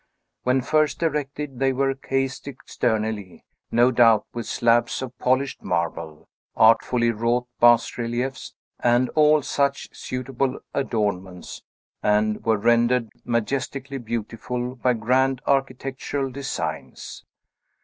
When first erected, they were cased externally, no doubt, with slabs of polished marble, artfully wrought bas reliefs, and all such suitable adornments, and were rendered majestically beautiful by grand architectural designs.